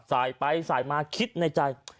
สายไปสายมาคิดในใจ